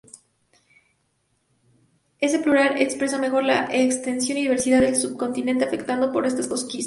Ese plural expresa mejor la extensión y diversidad del subcontinente afectado por estas conquistas.